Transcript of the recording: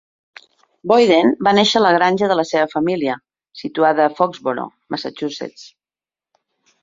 Boyden va néixer a la granja de la seva família, situada a Foxboro, Massachusetts.